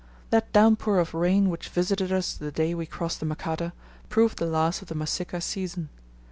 That down pour of rain which visited us the day we crossed the Makata proved the last of the Masika season.